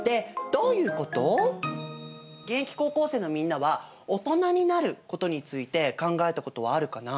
現役高校生のみんなはオトナになることについて考えたことはあるかな？